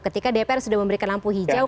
ketika dpr sudah memberikan lampu hijau